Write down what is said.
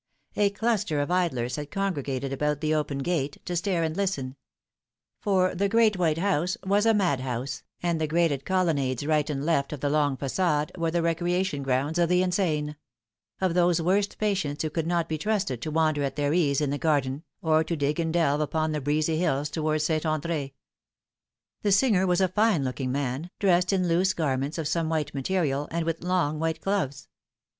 A cluster of idlera had congregated about the open gate, to stare and listen ; for the great white house was a madhouse, and the grated colon nades right and left of the long facade were the recreation grounds of the insane of those worst patients who could not be trusted to wander at their ease in the garden, or to dig and delve upon the breezy hills towards St. Andre\ The singer was a fine looking man, dressed in loose garments of some white material, and with long white gloves.